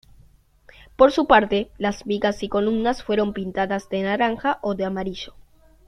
Por su parte, las vigas y columnas fueron pintadas de naranja o de amarillo.